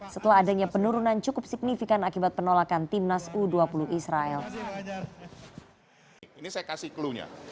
setelah adanya penurunan cukup signifikan akibat penolakan timnas u dua puluh israel